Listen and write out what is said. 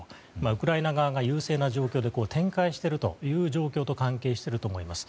ウクライナ側が優勢な状況で展開している状況と関係していると思います。